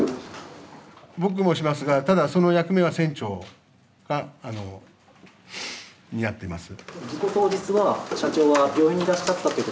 僕もしますが、ただその役目は船長がやってます。